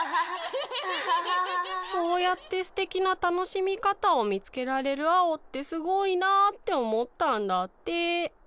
そうやってすてきなたのしみかたをみつけられるアオってすごいなっておもったんだって。